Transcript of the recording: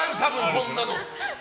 こんなの。